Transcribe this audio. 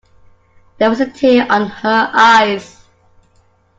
There was a tear on her eyes.